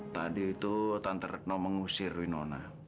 tadi itu tante retno mengusir rino